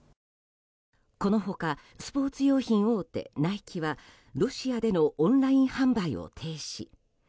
この他、スポーツ用品大手ナイキはロシアでのオンライン販売を停止。